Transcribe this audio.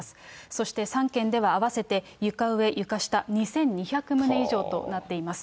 そして、３県では合わせて床上、床下、２２００棟以上となっています。